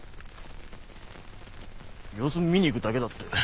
様子を見に行ぐだけだって。